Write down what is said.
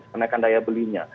kenaikan daya belinya